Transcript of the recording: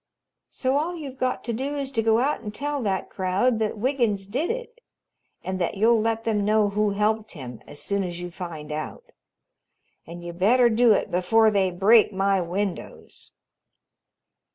"So all you've got to do is to go out and tell that crowd that Wiggins did it and that you'll let them know who helped him as soon as you find out. And you better do it before they break my windows."